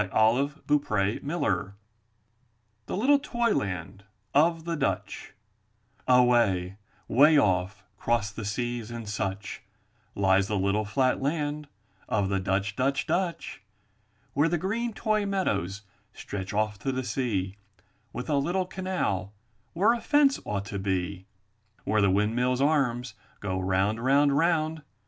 333 MY BOOK HOUSE THE LITTLE TOY LAND OF THE DUTCH Away, 'way off 'cross the seas and such Lies the little flat land of the Dutch, f Dutch. Dutch! Where the green toy meadows stretch off to the sea, With a little canal where a fence ought to be! Where the windmills* arms go round, round, round.